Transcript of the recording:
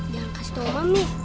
jangan kasih tau mami